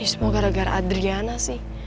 semua gara gara adriana sih